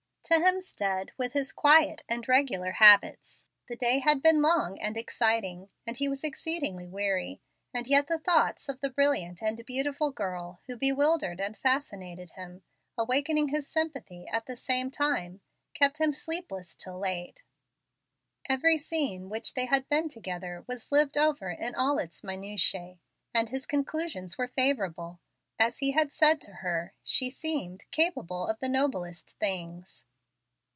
To Hemstead, with his quiet and regular habits, the day had been long and exciting, and he was exceedingly weary; and yet thoughts of the brilliant and beautiful girl, who bewildered and fascinated him, awaking his sympathy at the same time, kept him sleepless till late. Every scene in which they had been together was lived over in all its minutiae, and his conclusions were favorable. As he had said to her, she seemed "capable of the noblest things."